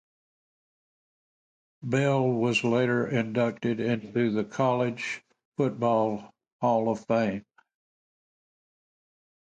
Bell was later inducted into the College Football Hall of Fame.